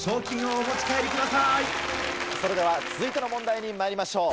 それでは続いての問題にまいりましょう。